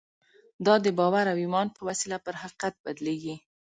دا د باور او ایمان په وسیله پر حقیقت بدلېږي